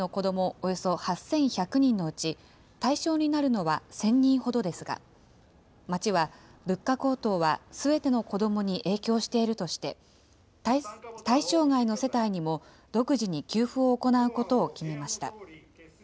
およそ８１００人のうち、対象になるのは１０００人ほどですが、町は、物価高騰はすべての子どもに影響しているとして、対象外の世帯にも独自に給付を行うことを決めました。